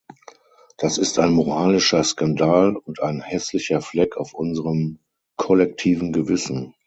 Das ist ein moralischer Skandal und ein hässlicher Fleck auf unserem kollektiven Gewissen.